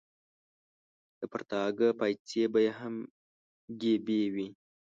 د پرتاګه پایڅې به یې هم ګیبي وې.